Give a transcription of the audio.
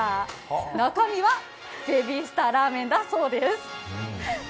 中身はベビースターラーメンだそうです。